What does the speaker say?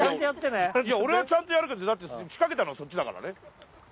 いや俺はちゃんとやるけど仕掛けたのはそっちだからね。